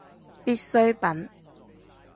必需品